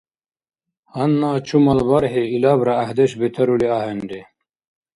Гьанна чумал бархӀи илабра гӀяхӀдеш бетарули ахӀенри.